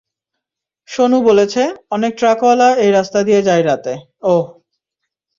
সনু বলেছে, অনেক ট্রাকওয়ালা এই রাস্তা দিয়ে যায় রাতে, - ওহ।